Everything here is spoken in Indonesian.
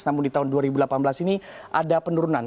namun di tahun dua ribu delapan belas ini ada penurunan